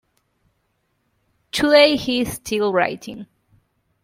Today he is still writing.